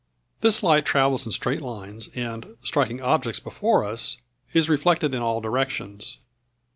This light travels in straight lines and, striking objects before us, is reflected in all directions.